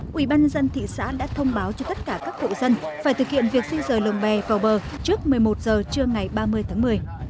quỹ ban dân thị xã đã thông báo cho tất cả các hộ dân phải thực hiện việc di rời lồng bè vào bờ trước một mươi một h trưa ngày ba mươi tháng một mươi